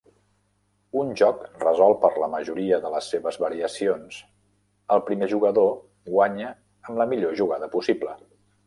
Un joc resolt per la majoria de les seves variacions, el primer jugador guanya amb la millor jugada possible.